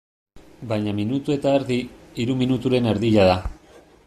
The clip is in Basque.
Baina minutu eta erdi, hiru minuturen erdia da.